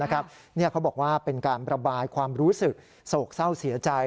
เขาบอกว่าเป็นการประบายความรู้สึกโศกเศร้าเสียใจ